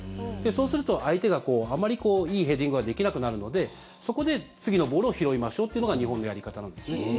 そうすると、相手があまりいいヘディングができなくなるのでそこで次のボールを拾いましょうというのが日本のやり方なんですね。